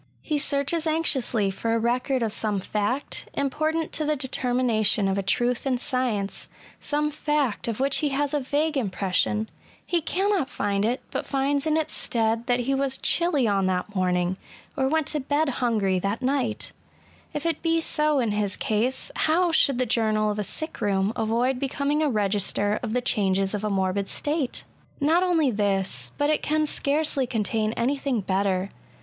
He searches anxiously for a record of some fact, important to the determination of a truth in science— some fact SOME PERILS AND PAINS OF INVALIDISM. 193 of i^^hich he has a vague impression ; he cannot find it^ but finds in its stead that he was chilly on that mornings or went to bed hungry that night: If it be so in his case^ how should the journal of a sick room avoid becoming a register of the changes of a morbid state ? Not only this ; but it can scarcely contain anything better.